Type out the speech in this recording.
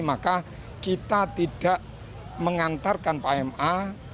maka kita tidak mengantarkan pma